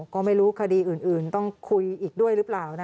ก็ไม่รู้คดีอื่นต้องคุยอีกด้วยหรือเปล่า